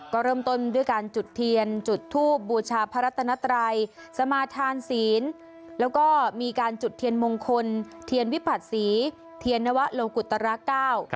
ก็เริ่มต้นด้วยการจุดเทียนจุดทูบบูชาพระรัตนัตรัยสมาธานศีลแล้วก็มีการจุดเทียนมงคลเทียนวิผัดศรีเทียนนวะโลกุตระเก้า